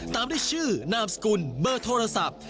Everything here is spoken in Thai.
ตามด้วยชื่อนามสกุลเบอร์โทรศัพท์